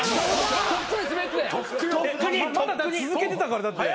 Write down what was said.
続けてたからだって。